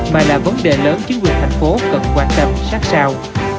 mà là vấn đề lớn chính quyền thành phố cần quan tâm sát sao